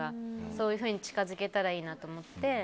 そういうふうに近づけたらいいなと思って。